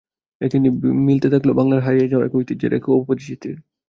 একে একে মিলতে থাকল বাংলার হারিয়ে যাওয়া এক ঐতিহ্যের, এক পরিচিতির।